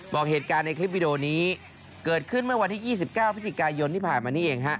บอกเหตุการณ์ในคลิปวิดีโอนี้เกิดขึ้นเมื่อวันที่๒๙พฤศจิกายนที่ผ่านมานี่เองฮะ